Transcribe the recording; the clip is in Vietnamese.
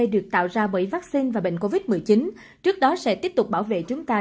được tạo ra bởi vaccine và bệnh covid một mươi chín trước đó sẽ tiếp tục bảo vệ chúng ta